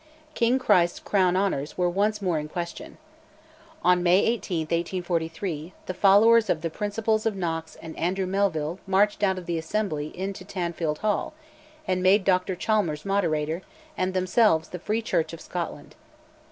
"King Christ's Crown Honours" were once more in question. On May 18, 1843, the followers of the principles of Knox and Andrew Melville marched out of the Assembly into Tanfield Hall, and made Dr Chalmers Moderator, and themselves "The Free Church of Scotland."